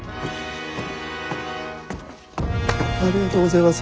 ありがとうごぜます。